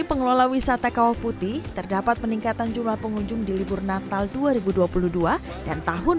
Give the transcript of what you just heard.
pengelola wisata kawah putih terdapat peningkatan jumlah pengunjung di libur natal dua ribu dua puluh dua dan tahun